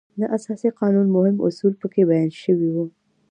د اساسي قانون مهم اصول په کې بیان شوي وو.